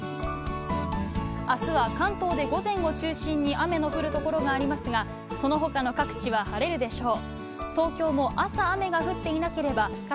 あすは関東で午前を中心に雨の降る所がありますが、そのほかの各地は晴れるでしょう。